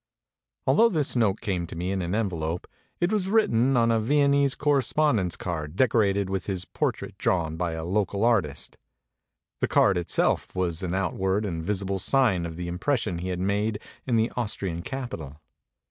Although this note came to me in an envelope, it was written on a Viennese correspondence card decorated with his portrait drawn by a local artist. The card itself was an outward and visi ble sign of the impression he had made in the Austrian capital.